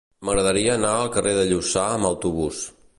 M'agradaria anar al carrer de Lluçà amb autobús.